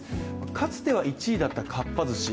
かつては１位だったかっぱ寿司